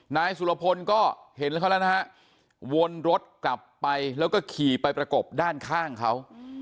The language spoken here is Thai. นายสุรพลก็เห็นแล้วเขาแล้วนะฮะวนรถกลับไปแล้วก็ขี่ไปประกบด้านข้างเขา